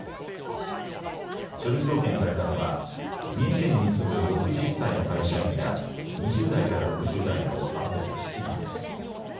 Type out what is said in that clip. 書類送検されたのは三重県に住む６０歳の会社員ら２０代から６０代の合わせて７人です。